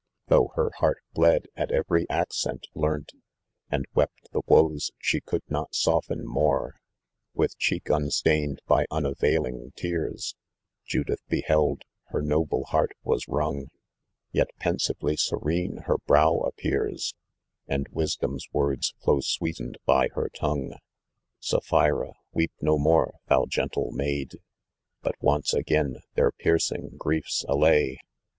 Though her heart bled at every accent, leamt And wept the woes she could not soften more. With cheek unstained by unavailing tears Judith beheld ; her noble heart was wrung, Tet pensively serene her brow appears, ; And wisdom's words flow sweeten'd by her tongue* " Sapphira, weep no more, thou gentle maid, Hut once again their piercing griefs allay.